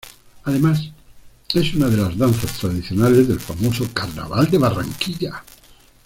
Además, es una de las danzas tradicionales del famoso Carnaval de Barranquilla.